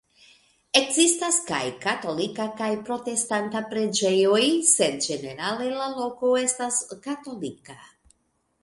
Ekzistas kaj katolika kaj protestanta preĝejoj, sed ĝenerale la loko estas katolika.